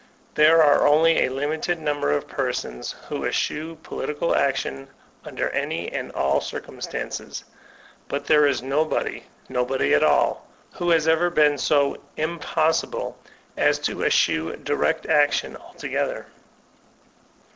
There are only a limited number of persons who eschew political action under any and all circumstances; but there is nobody, nobody at an, who has ever been so "impossible'' as to eschew direct action altogether.